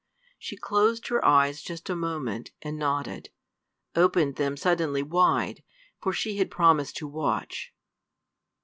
She closed her eyes just a moment, and nodded opened them suddenly wide, for she had promised to watch.